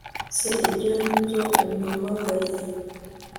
se ibyo nibyo umpamagariye mn